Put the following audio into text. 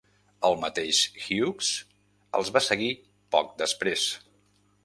El mateix Hughes els va seguir poc després.